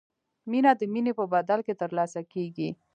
مینه د مینې په بدل کې ترلاسه کیږي.